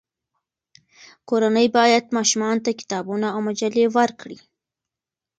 کورنۍ باید ماشومانو ته کتابونه او مجلې ورکړي.